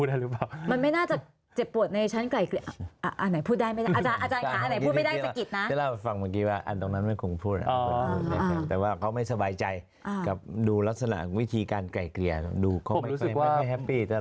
อะไรอะไรคือความเจ็บปวดขั้นตอนนั้นค่ะ